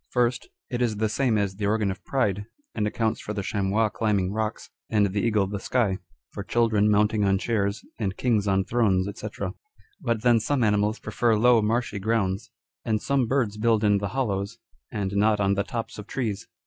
First, it is the same as the organ of pride, and accounts for the chamois climbing rocks, and the eagle the sky ; for children mounting on chairs, and kings on thrones, &c. But then some animals prefer low marshy grounds, and some birds build in the hollows, and not on the tops of trees.